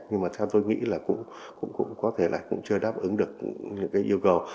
nhưng mà theo tôi nghĩ là cũng có thể là cũng chưa đáp ứng được những cái yêu cầu